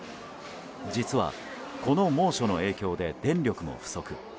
実は、この猛暑の影響で電力も不足。